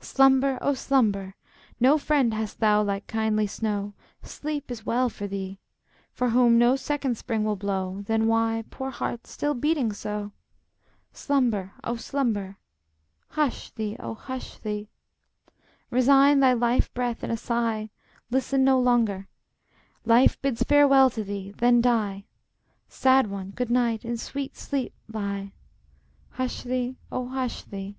Slumber, oh, slumber! No friend hast thou like kindly snow; Sleep is well for thee, For whom no second spring will blow; Then why, poor heart, still beating so? Slumber, oh, slumber! Hush thee, oh, hush thee! Resign thy life breath in a sigh, Listen no longer, Life bids farewell to thee, then die! Sad one, good night! in sweet sleep lie! Hush thee, oh, hush thee!